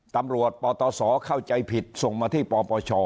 ตำรวจปตสเข้าใจผิดส่งมาที่ปปช